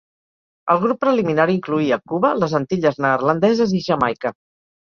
El grup preliminar incloïa Cuba, les Antilles Neerlandeses i Jamaica.